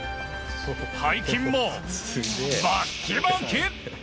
背筋もバッキバキ！